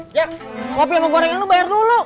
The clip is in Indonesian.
jack kopi yang mau gorengan lu bayar dulu